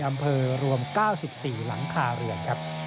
๔อำเภอรวม๙๔หลังคาเรือน